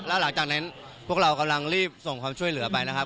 แล้วหลังจากนั้นพวกเรากำลังรีบส่งความช่วยเหลือไปนะครับ